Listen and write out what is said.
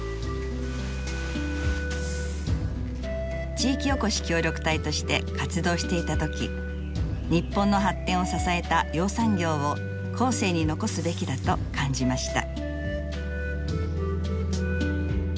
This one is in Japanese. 地域おこし協力隊として活動していた時日本の発展を支えた養蚕業を後世に残すべきだと感じました。